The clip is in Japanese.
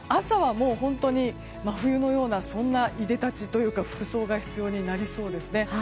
朝は本当に真冬のようなそんないでたちというか服装が必要になりそうですね。